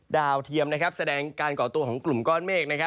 เทียมแสดงการก่อตัวของกลุ่มก้อนเมฆ